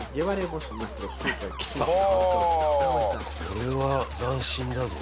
これは斬新だぞ。